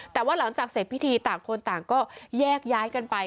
แต่ว่าหลังจากเสร็จพิธีต่างคนต่างก็แยกย้ายกันไป